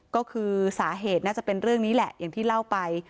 ก็คือสาเหตุน่าจะเป็นเรื่องนี้แหละอย่างที่เล่าไป